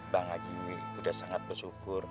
bang haji udah sangat bersyukur